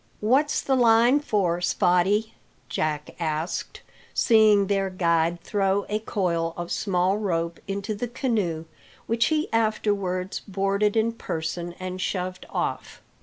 "What's the line for, Spottie?" Jack asked, seeing their guide throw a coil of small rope into the canoe, which he afterwards boarded in person and shoved off.